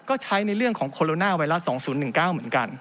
ก็ใช้ในเรื่องของโคโรนาไวรัส๒๐๑๙เหมือนกัน